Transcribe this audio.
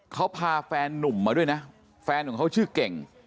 เขาพาแฟนนุ่มมาด้วยนะแฟนของเขาชื่อเก่ง